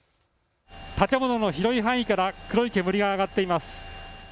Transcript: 建物の広い範囲から黒い煙が上がっています。